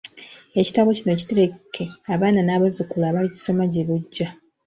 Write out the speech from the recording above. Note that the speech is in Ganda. Ekitabo kino kiterekere abaana n’abazzukulu abalikisoma gye bujja.